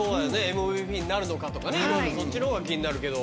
ＭＶＰになるのかとかそっちのほうが気になるけど。